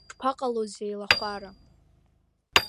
Ишԥаҟалоз еилахәара.